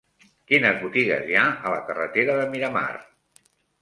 Quines botigues hi ha a la carretera de Miramar?